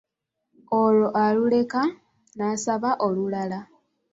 Olwo aluleka, n'asaba olulala.